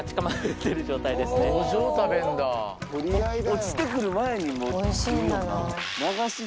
落ちて来る前にもう。